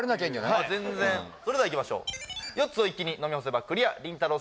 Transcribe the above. それではいきましょう４つを一気に飲み干せばクリアりんたろー。